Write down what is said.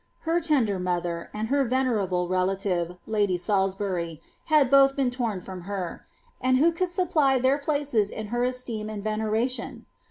Her tender mother, and her venerable relative (latly Salisbury), 1 both been torn from her — and who could supply their places in her eem and veneration